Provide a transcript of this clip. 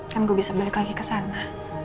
kan gue bisa balik lagi kesana